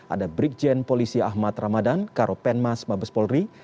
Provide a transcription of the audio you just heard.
ada brikjen polisi ahmad ramadan karo penmas mabes polri